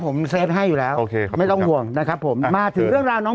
ผมเซฟให้อยู่แล้วโอเคครับไม่ต้องห่วงนะครับผมมาถึงเรื่องราวน้อง